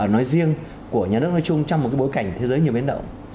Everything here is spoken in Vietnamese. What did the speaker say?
nói riêng của nhà nước nói chung trong một bối cảnh thế giới nhiều biến động